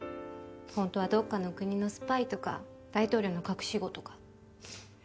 ホントはどっかの国のスパイとか大統領の隠し子とか。